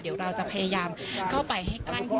เดี๋ยวเราจะพยายามเข้าไปให้ใกล้